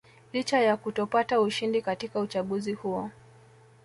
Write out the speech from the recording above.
Licha ya kutopata ushindi katika uchaguzi huo